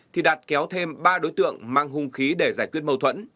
thì đạt kéo thêm ba đối tượng mang hung khí để giải quyết mâu thuẫn